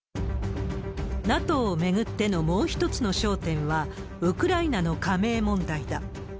ＮＡＴＯを巡ってのもう一つの焦点は、ウクライナの加盟問題だ。